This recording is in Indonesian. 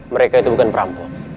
mereka itu bukan perampok